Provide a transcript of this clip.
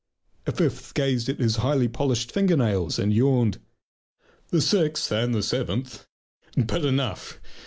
A fifth gazed at his highly polished finger nails and yawned. The sixth and the seventh but enough!